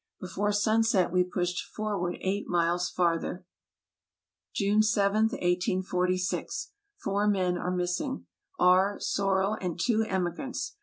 Before sunset we pushed forward eight miles farther. " June 7, 1846. — Four men are missing; R., Sorel, and two emigrants.